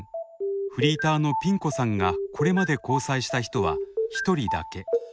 フリーターのピン子さんがこれまで交際した人は一人だけ。